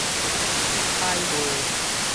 海蟹